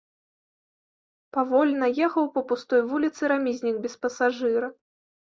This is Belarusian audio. Павольна ехаў па пустой вуліцы рамізнік без пасажыра.